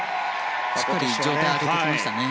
しっかり状態を上げてきましたね。